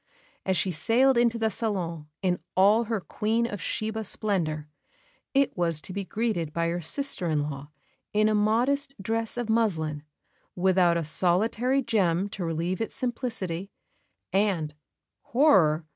As she sailed into the salon in all her Queen of Sheba splendour, it was to be greeted by her sister in law in a modest dress of muslin, without a solitary gem to relieve its simplicity; and horror!